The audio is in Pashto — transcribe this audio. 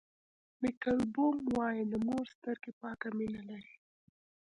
مېک البوم وایي د مور سترګې پاکه مینه لري.